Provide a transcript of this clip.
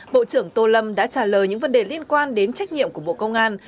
bộ trưởng tô lâm đã trả lời những vấn đề liên quan đến trách nhiệm của bộ công an